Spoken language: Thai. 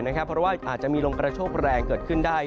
เพราะว่าอาจจะมีลมกระโชคแรงเกิดขึ้นได้